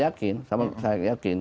ya kami sangat yakin